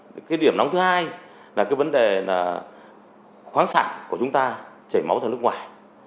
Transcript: cái điểm nóng thứ hai là cái vấn đề khoáng sản của chúng ta chảy máu theo nước ngoài